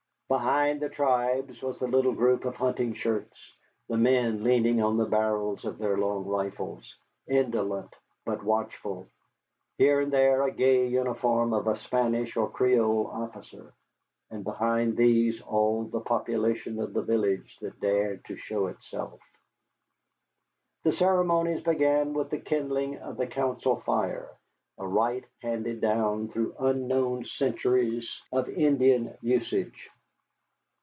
Behind the tribes was the little group of hunting shirts, the men leaning on the barrels of their long rifles, indolent but watchful. Here and there a gay uniform of a Spanish or Creole officer, and behind these all the population of the village that dared to show itself. The ceremonies began with the kindling of the council fire, a rite handed down through unknown centuries of Indian usage.